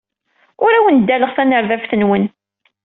Ur awen-ddaleɣ tanerdabt-nwen.